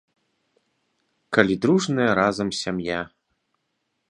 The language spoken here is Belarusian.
Калі дружная разам сям'я!